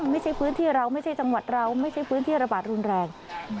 ไม่ใช่พื้นที่เราไม่ใช่จังหวัดเราไม่ใช่พื้นที่ระบาดรุนแรง